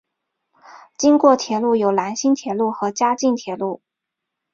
经过铁路有兰新铁路和嘉镜铁路。